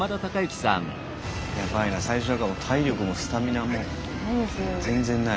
ヤバいな最初だから体力もスタミナも全然ない。